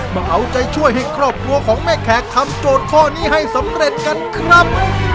มาเอาใจช่วยให้ครอบครัวของแม่แขกทำโจทย์ข้อนี้ให้สำเร็จกันครับ